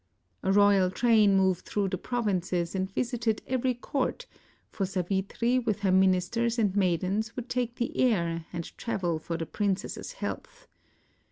A royal train moved through the provinces and visited every court, for Savitri with her ministers and maidens would take the air and travel for the princess's health.